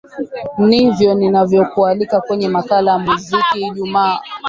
nivyo ninavyokualika kwenye makala muziki ijumaa